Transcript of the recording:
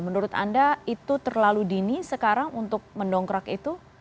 menurut anda itu terlalu dini sekarang untuk mendongkrak itu